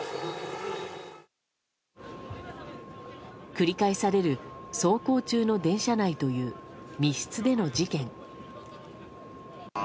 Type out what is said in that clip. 繰り返される走行中の電車内という密室での事件。